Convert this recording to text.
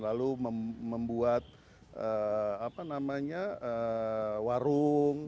lalu membuat warung